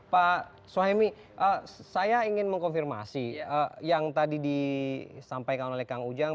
pak soemi saya ingin mengkonfirmasi yang tadi disampaikan oleh kang ujang